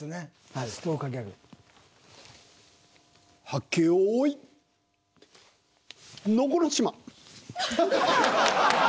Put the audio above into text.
はっけよい能古島。